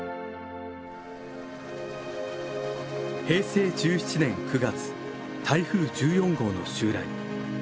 平成１７年９月台風１４号の襲来。